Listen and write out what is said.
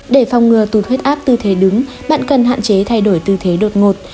để phòng ngừa tụt huyết áp tư thế đứng bạn cần hạn chế thay đổi tư thế đột ngột